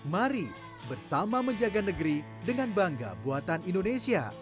mari bersama menjaga negeri dengan bangga buatan indonesia